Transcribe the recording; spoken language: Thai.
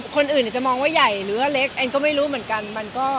คนอื่นจะมองว่าใหญ่หรือว่าเล็กแอนก็ไม่รู้เหมือนกัน